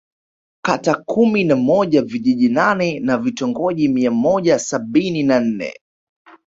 Kata kumi na moja vijiji nane na vitongoji mia moja sabini na nne